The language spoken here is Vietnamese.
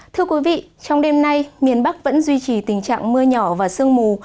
thưa quý vị trong đêm nay miền bắc vẫn duy trì tình trạng mưa nhỏ và sương mù